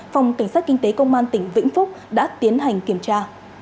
phòng cảnh sát kinh tế công an tỉnh vĩnh phúc đã tiến hành kiểm tra